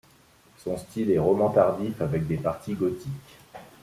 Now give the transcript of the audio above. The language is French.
Son style est roman-tardif avec des parties gothiques.